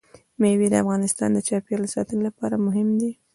مېوې د افغانستان د چاپیریال ساتنې لپاره مهم دي.